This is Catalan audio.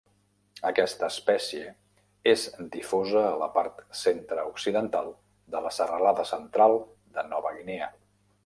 Aquesta espècie és difosa a la part centre-occidental de la serralada central de Nova Guinea.